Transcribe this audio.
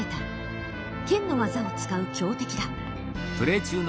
剣の技を使う強敵だ。